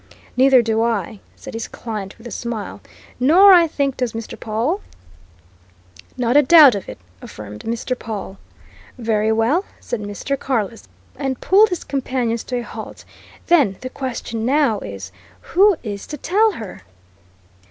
"Neither do I!" said his client with a smile. "Nor, I think, does Mr. Pawle?" "Not a doubt of it!" affirmed Mr. Pawle. "Very well," said Mr. Carless, and pulled his companions to a halt. "Then the question now is who is to tell her?"